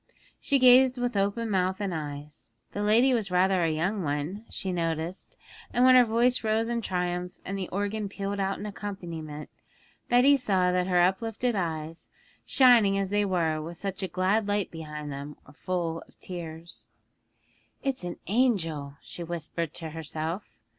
She gazed with open mouth and eyes; the lady was rather a young one, she noticed, and when her voice rose in triumph and the organ pealed out in accompaniment, Betty saw that her uplifted eyes, shining as they were with such a glad light behind them, were full of tears. 'It's an angel,' she whispered to herself.